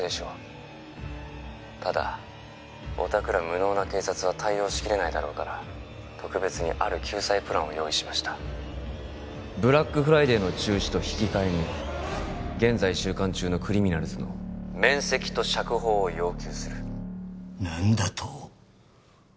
無能な警察は対応しきれないだろうから特別にある救済プランを用意しましたブラックフライデーの中止と引き換えに現在収監中のクリミナルズの免責と釈放を要求する何だと？